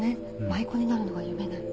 舞妓になるのが夢なの。